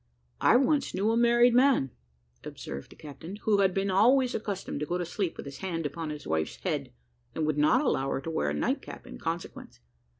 "I once knew a married man," observed the captain, "who had been always accustomed to go to sleep with his hand upon his wife's head, and would not allow her to wear a night cap in consequence.